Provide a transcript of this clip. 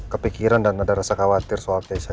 kepikiran dan ada rasa khawatir soal desa